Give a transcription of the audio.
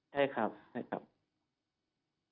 ใช่ครับ